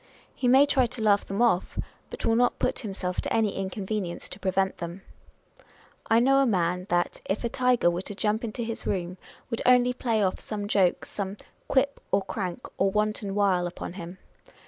He may try to laugh them off, but will not put himself to any inconvenience to prevent them. I know a man that, if a tiger were to jump into his room, would only play off some joke, some " quip, or crank, or wanton wile " upon him.